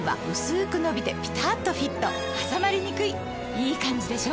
いいカンジでしょ？